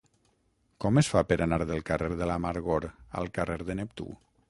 Com es fa per anar del carrer de l'Amargor al carrer de Neptú?